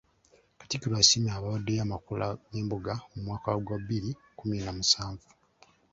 Katikkiro asiimye abawaddeyo amakula g’embuga mu mwaka gwa bbiri kkumi na musanvu.